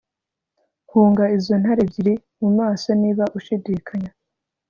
Hunga izo ntare ebyiri mumaso niba ushidikanya